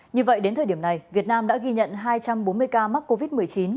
như vậy đến thời điểm này việt nam đã ghi nhận hai trăm bốn mươi ca mắc covid một mươi chín